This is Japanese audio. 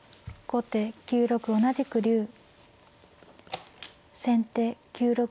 先手９六同じく歩。